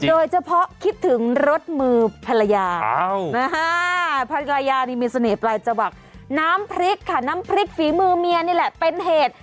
เฉพาะคิดถึงรสมือภรรยาภรรยานี่มีเสน่ห์ปลายจังหวัดน้ำพริกค่ะน้ำพริกฝีมือเมียนี่แหละเป็นเหตุ